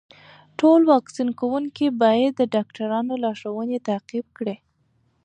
ټول واکسین کوونکي باید د ډاکټرانو لارښوونې تعقیب کړي.